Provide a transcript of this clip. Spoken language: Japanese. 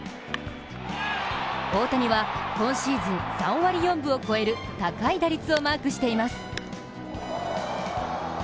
大谷はシーズン、３割４分を超える高い打率をマークしています。